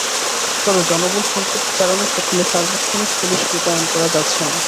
তবে জনবল সংকটের কারণে সেখানে সার্বক্ষণিক পুলিশ মোতায়েন করা যাচ্ছে না।